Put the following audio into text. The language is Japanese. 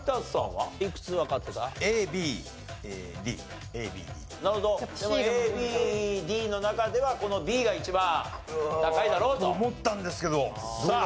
でもＡＢＤの中ではこのＢが一番高いだろうと。と思ったんですけどどうだろう？